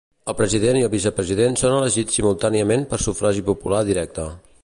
El president i el vicepresident són elegits simultàniament per sufragi popular directe.